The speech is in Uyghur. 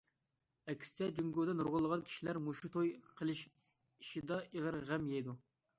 ئەكسىچە، جۇڭگودا نۇرغۇنلىغان كىشىلەر مۇشۇ توي قىلىش ئىشىدا ئېغىر غەم يەيدۇ.